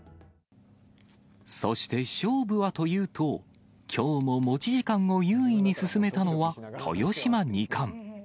そして勝負はというと、きょうも持ち時間を優位に進めたのは、豊島二冠。